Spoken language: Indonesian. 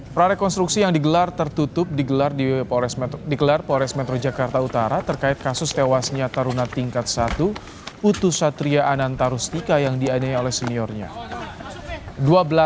prarekonstruksi yang digelar tertutup digelar polres metro jakarta utara terkait kasus tewasnya taruna tingkat satu utu satria ananta rustika yang dianiaya oleh seniornya